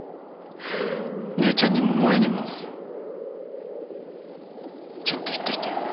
姉ちゃんにも萌にもちゃんと言っといて。